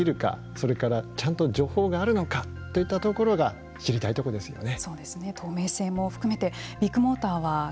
それから、ちゃんと情報があるのかといったところが知りたいとこですよね。